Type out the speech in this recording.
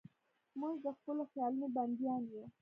موږ د خپلو خیالونو بندیان یو.